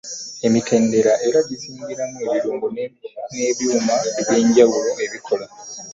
Emitendera era gizingiramu ebirungo n’ebyuma eby’enjawulo ebikola.